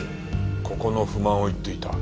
ここの不満を言っていた。